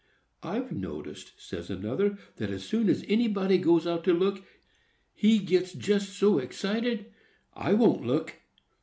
"I've noticed," says another, "that as soon as anybody goes out to look, he gets just so excited.—I won't look."